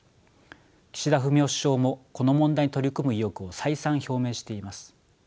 岸田文雄首相もこの問題に取り組む意欲を再三表明しています。